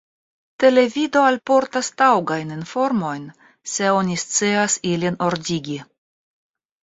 Televido alportas taŭgajn informojn, se oni scias ilin ordigi.